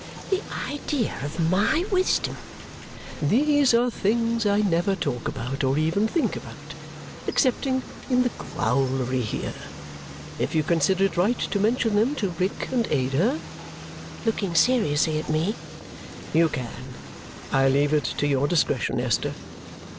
(The idea of my wisdom!) "These are things I never talk about or even think about, excepting in the growlery here. If you consider it right to mention them to Rick and Ada," looking seriously at me, "you can. I leave it to your discretion, Esther."